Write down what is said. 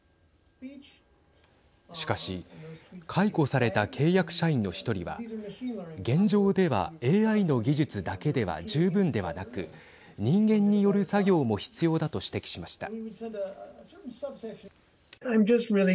しかし解雇された契約社員の１人は現状では、ＡＩの技術だけでは十分ではなく人間による作業も必要だと指摘しました。